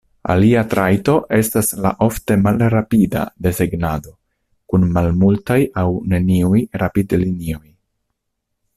Alia trajto estas la ofte "malrapida" desegnado, kun malmultaj aŭ neniuj rapid-linioj.